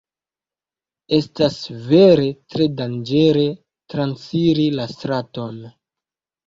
Estas vere tre danĝere transiri la straton.